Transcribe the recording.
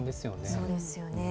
そうですよね。